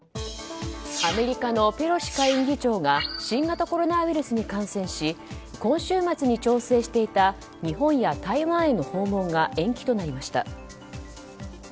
アメリカのペロシ下院議長が新型コロナウイルスに感染し今週末に調整していた日本や台湾への訪問が延期となりました。